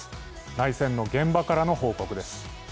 内戦の現場からの報告です。